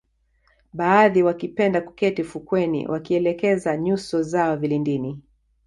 Baadhi wakipenda kuketi fukweni wakielekeza nyuso zao vilindini